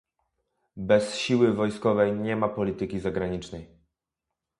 Bez siły wojskowej nie ma polityki zagranicznej